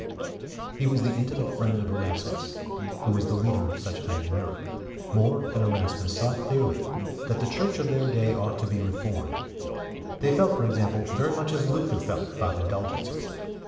He was the intimate friend of Erasmus, who was the leader of such men in Europe. More and Erasmus saw clearly that the Church of their day ought to be reformed. They felt, for example, very much as Luther felt about indulgences.